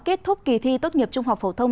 kết thúc kỳ thi tốt nghiệp trung học phổ thông